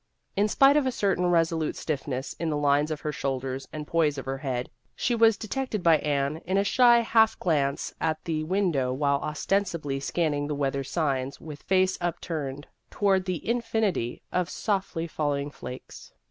In spite of a certain resolute stiffness in the lines of her shoulders and poise of her head, she was detected by Anne in a shy half glance at the window while ostensibly scanning the weather signs with face upturned toward the in finity of softly falling flakes.